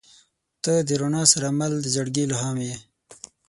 • ته د رڼا سره مل د زړګي الهام یې.